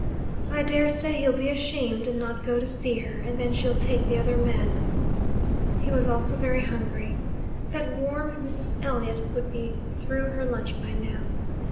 "I daresay he'll be ashamed and not go to see her, and then she'll take the other man." He was also very hungry. That worm Mrs. Elliot would be through her lunch by now.